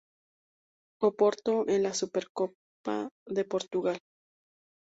Oporto en la Supercopa de Portugal.